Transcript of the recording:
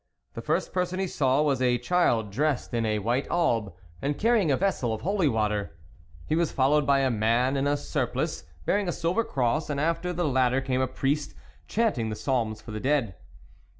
The first person he saw was a child dressed in a white alb and carrying a vessel of holy water ; he was followed by a man in a surplice, bearing a silver cross, and after the latter came a priest, chanting the psalms for the dead.